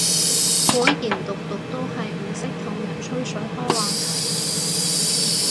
果然毒毒都係唔識同人吹水開話題